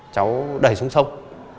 cháu đẩy xuống sông